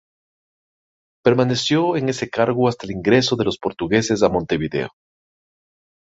Permaneció en ese cargo hasta el ingreso de los portugueses a Montevideo.